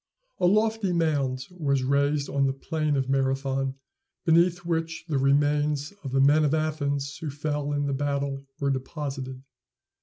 A lofty mound was raised on the plain of Marathon, beneath which the remains of the men of Athens who fell in the battle were deposited.